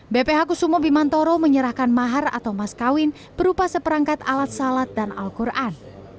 bph kusumo bimantoro menyerahkan mahar atau maskawin berupa seperangkat alat salat dan al quran